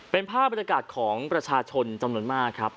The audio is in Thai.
เป็นภาพบรรยากาศของประชาชนจำนวนมากครับ